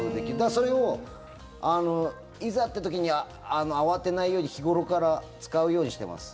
それをいざって時に慌てないように日頃から使うようにしてます。